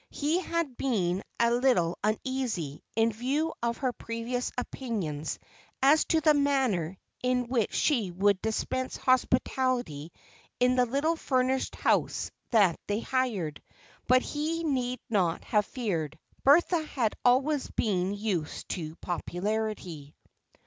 He had been a little uneasy, in view of her previous opinions, as to the manner in which she would dispense hospitality in the little furnished house that they hired, but he need not have feared. Bertha had always been used to popularity.